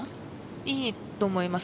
いいと思います。